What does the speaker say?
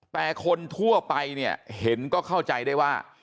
แต่คนทั่วไปเนี่ยเห็นก็เข้าใจได้ว่า